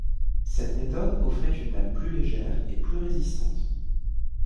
Cette méthode offrait une dalle plus légère et plus résistante.